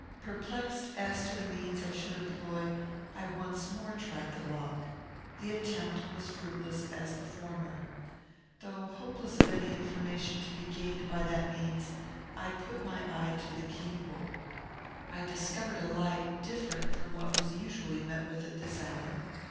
Perplexed as to the means I should employ, I once more tried the lock. The attempt was fruitless as the former. Though hopeless of any information to be gained by that means, I put my eye to the keyhole. I discovered a light different from what was usually met with at this hour.